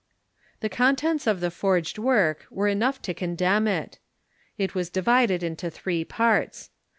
The contents of the forged work were enough to condemn it. It was divided into three parts.